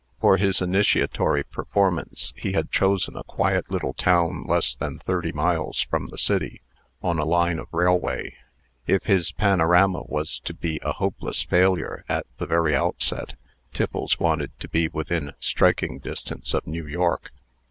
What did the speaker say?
For his initiatory performance, he had chosen a quiet little town less than thirty miles from the city, on a line of railway. If his panorama was to be a hopeless failure at the very outset, Tiffles wanted to be within striking distance of New York.